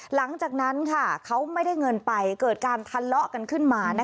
หลังจากนั้นเขาไม่ได้เงินไปเกิดการทะเลาะกันขึ้นมา